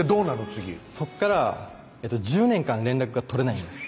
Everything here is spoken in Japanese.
次そこから１０年間連絡が取れないんです